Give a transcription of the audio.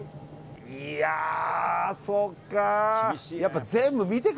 いや、そっか。